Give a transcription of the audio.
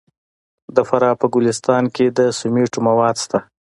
د فراه په ګلستان کې د سمنټو مواد شته.